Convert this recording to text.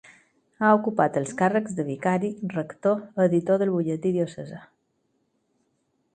Ha ocupat els càrrecs de vicari, rector, editor del butlletí diocesà.